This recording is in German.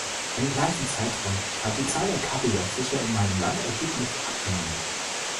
Im gleichen Zeitraum hat die Zahl der Kabeljaufischer in meinem Land erheblich abgenommen.